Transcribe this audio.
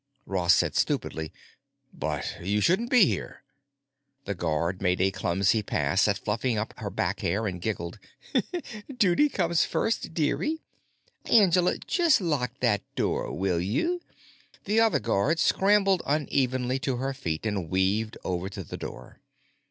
Ross said stupidly. "But you shouldn't be here——" The guard made a clumsy pass at fluffing up her back hair and giggled. "Duty comes first, dearie. Angela, just lock that door, will you?" The other guard scrambled unevenly to her feet and weaved over to the door.